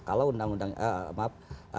kalau undang undang maaf